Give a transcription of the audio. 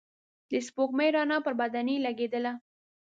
د سپوږمۍ رڼا پر بدنې لګېدله.